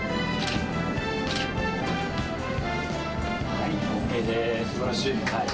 はい、ＯＫです、すばらしい。